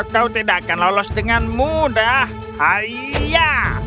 kau tidak akan lolos dengan mudah ayah